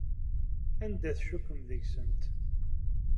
Anda ay tcikkem deg-sent?